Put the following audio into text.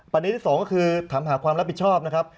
ที่สองก็คือถามหาความรับผิดชอบนะครับ